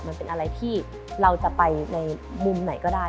มันเป็นอะไรที่เราจะไปในมุมไหนก็ได้